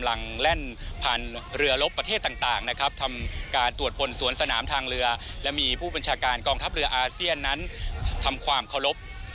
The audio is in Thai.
และมีผู้บัญชาการกองทับเรืออาเซียนนั้นทำความเคารพ